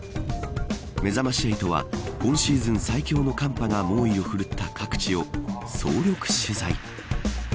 めざまし８は、今シーズン最強の寒波が猛威を振るった各地を総力取材。